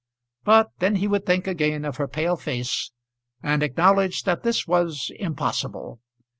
But then he would think again of her pale face and acknowledge that this was impossible.